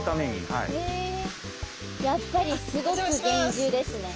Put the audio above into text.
へえやっぱりすごく厳重ですね。